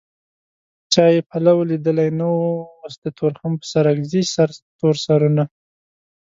چا يې پلو ليدلی نه و اوس د تورخم په سرک ځي سرتور سرونه